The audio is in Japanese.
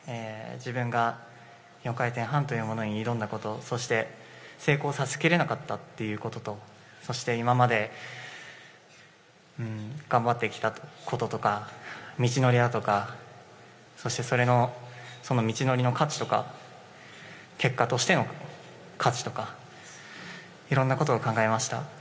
自分が４回転半というものに挑んだことそして成功させきれなかったこととそして、今まで頑張ってきたこととか道のりだとかそして、その道のりの価値とか結果としての価値とかいろいろなことを考えました。